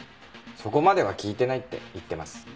そこまでは聞いてないって言ってます。